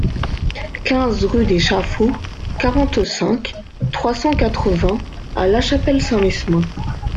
quinze rue des Chaffauts, quarante-cinq, trois cent quatre-vingts à La Chapelle-Saint-Mesmin